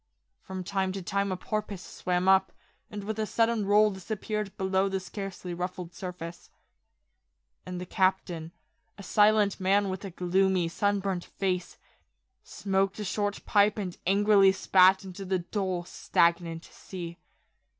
From time to time a porpoise swam up, and with a sudden roll disappeared below the scarcely ruffled surface. And the captain, a silent man with a gloomy, sunburnt face, smoked a short pipe and angrily spat into the dull, stagnant sea.